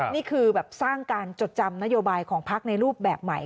นี่คือแบบสร้างการจดจำนโยบายของพักในรูปแบบใหม่